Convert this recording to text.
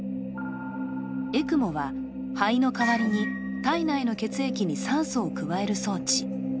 ＥＣＭＯは肺の代わりに体内の血液に酸素を加える装置。